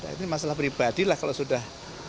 ini masalah pribadi lah kalau sudah